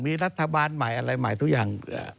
มีรัฐบาลใหม่อะไรใหม่ทุกอย่าง